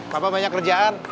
papa banyak kerjaan